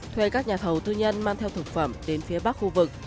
thuê các nhà thầu tư nhân mang theo thực phẩm đến phía bắc khu vực